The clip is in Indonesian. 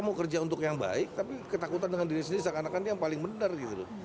mau kerja untuk yang baik tapi ketakutan dengan diri sendiri seakan akan yang paling benar gitu loh